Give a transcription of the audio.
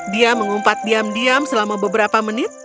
dia mengumpat diam diam selama beberapa menit